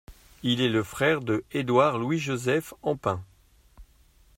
Il est le frère de Édouard Louis Joseph Empain.